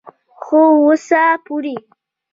خو اوسه پورې